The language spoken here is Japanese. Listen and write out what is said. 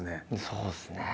そうですね。